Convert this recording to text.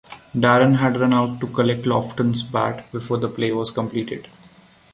Darren had run out to collect Lofton's bat before the play was completed.